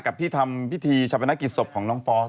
ที่ทำพิธีชาปนกิจศพของน้องฟอส